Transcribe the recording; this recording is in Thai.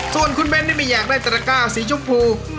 ส่วนคุณเบนไม่อยากได้แต่ละก้าวสีชมพู